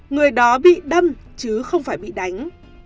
người đó bị đâm chứ không phải bị đánh